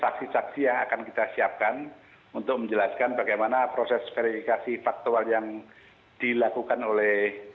tentu bukti bukti dan saksi saksi yang akan kita siapkan untuk menjelaskan bagaimana proses verifikasi faktual yang dilakukan oleh kpuid yang bermasalah